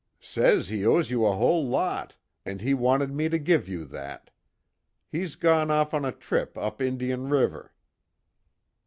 "Says he owes you a whole lot, and he wanted me to give you that. He's gone off on a trip up Indian River."